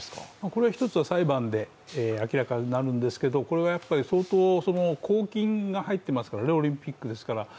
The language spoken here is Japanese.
これは１つは裁判で明らかになるんですけれどもこれが相当、公金が入っていますから、オリンピックですから。